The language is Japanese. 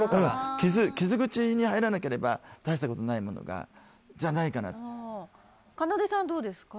傷傷口に入らなければ大したことないものがじゃないかなかなでさんどうですか？